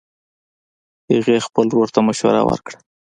هغې خپل ورور ته مشوره ورکړه